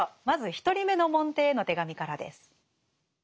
まず１人目の門弟への手紙からです。